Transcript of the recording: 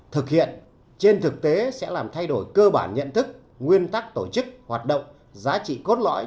thực hiện trên thực tế sẽ làm thay đổi cơ bản nhận thức nguyên tắc tổ chức hoạt động giá trị cốt lõi